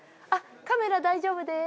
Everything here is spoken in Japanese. カメラ大丈夫です。